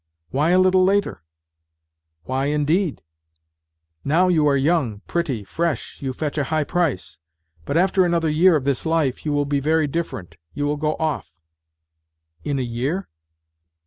" Why a little later ?"" Why, indeed ? Now you are young, pretty, fresh, you fetch a high price. But after another year of this life you will be very different you will go off." "In a year?